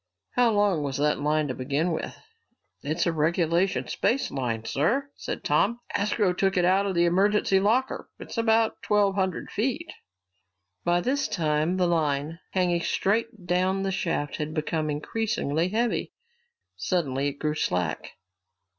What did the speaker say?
"How long was that line to begin with?" "It's a regulation space line, sir," said Tom. "Astro took it out of the emergency locker. It's about twelve hundred feet." By this time the line, hanging straight down the shaft, had become increasingly heavy. Suddenly it grew slack.